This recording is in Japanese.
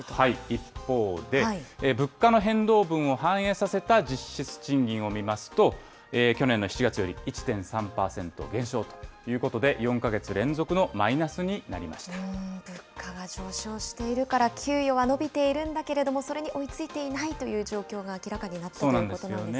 一方で、物価の変動分を反映させた実質賃金を見ますと、去年の７月より１．３％減少ということで、４か月連続のマイナスにな物価が上昇しているから給与は伸びているんだけれども、それに追いついていないという状況が明らかになったということなんですよね。